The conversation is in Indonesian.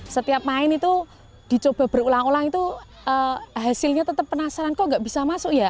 setiap main itu dicoba berulang ulang itu hasilnya tetap penasaran kok nggak bisa masuk ya